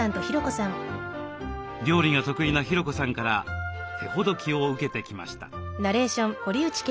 料理が得意な博子さんから手ほどきを受けてきました。